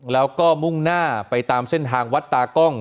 แล้วก็มุ่งหน้าไปตามเส้นทางวัดตากล้อง